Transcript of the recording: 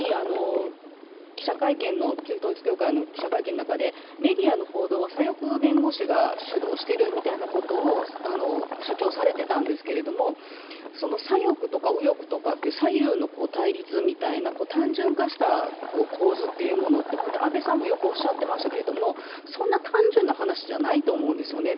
最後に、旧統一教会の記者会見の中でメディアの報道は左翼弁護士が主導しているみたいなことを主張されていたんですけれども、その左翼とか右翼とか左右の対立みたいな単純化した構図っていうのは、安倍さんもよくおっしゃってましたけれどもそんな単純な話じゃないと思うんですよね。